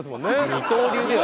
二刀流ではない。